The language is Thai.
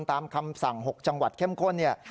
ตามคำสั่ง๖จังหวัดเข้มข้นเนี่ย